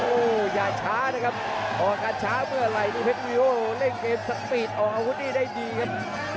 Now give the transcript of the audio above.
โอ้โหอย่าช้านะครับออกอาการช้าเมื่อไหร่นี่เพชรวีโอเล่นเกมสปีดออกอาวุธนี่ได้ดีครับ